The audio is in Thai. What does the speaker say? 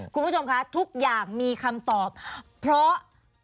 คุณผู้ชมคะทุกอย่างมีคำตอบเพราะ